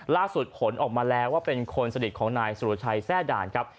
ล่าสุดขนออกมาแล้วว่าเป็นคนสดิตของนายสุรชัยแซ่ด่านครับ